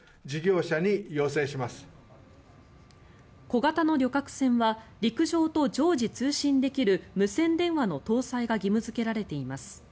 小型の旅客船は陸上と常時通信できる無線電話の搭載が義務付けられています。